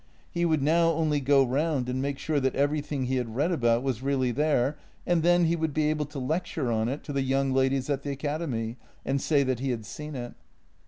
He would now only go round and make sure that everything he had read about was really there, and then he would be able to lecture on it to the young ladies at the Academy, and say that he had seen it.